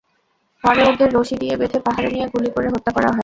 পরে ওদের রশি দিয়ে বেঁধে পাহাড়ে নিয়ে গুলি করে হত্যা করা হয়।